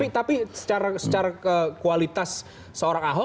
tapi secara kualitas seorang ahok